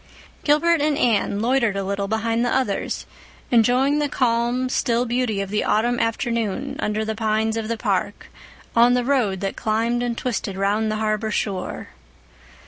Gilbert and Anne loitered a little behind the others, enjoying the calm, still beauty of the autumn afternoon under the pines of the park, on the road that climbed and twisted round the harbor shore.